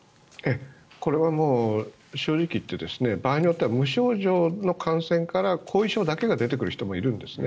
これは正直言って場合によっては無症状の感染から後遺症だけが出てくる人もいるんですね。